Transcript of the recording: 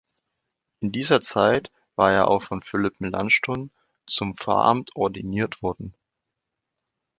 In dieser Zeit war er auch von Philipp Melanchthon zum Pfarramt ordiniert worden.